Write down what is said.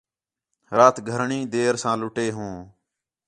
رات گھݨی دیر ساں لُٹے ہوں